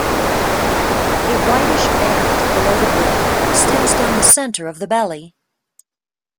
A whitish band below the bib extends down the center of the belly.